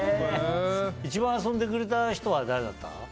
一番、遊んでくれた人は誰だった？